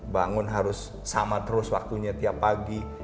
bangun harus sama terus waktunya tiap pagi